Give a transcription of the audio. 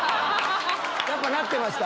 やっぱなってました